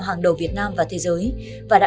hàng đầu việt nam và thế giới và đã